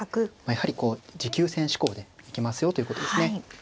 やはりこう持久戦志向でいきますよということですね。